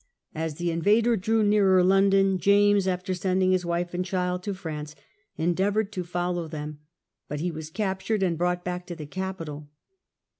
As the invader drew nearer London James, after sending his wife and child to France, endeavoured to follow them ; but he was captured and brought back to the capital.